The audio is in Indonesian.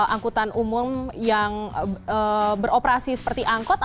anggota umum yang beroperasi seperti anggota atau lebih karena anggota yang beroperasi seperti anggota